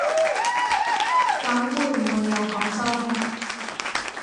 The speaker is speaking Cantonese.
等會唔會有廣州嘅